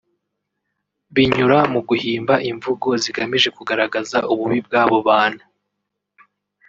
binyura mu guhimba imvugo zigamije kugaragaza ububi bw’abo bantu